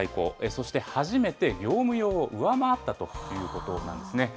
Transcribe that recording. そして初めて業務用を上回ったということなんですね。